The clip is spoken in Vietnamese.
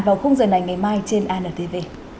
vào khung giờ này ngày mai trên antv